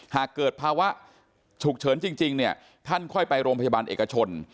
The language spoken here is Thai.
หากเกิดภาวะฉุกเฉินจริงเนี่ยท่านค่อยไปโรงพยาบาลเอกชน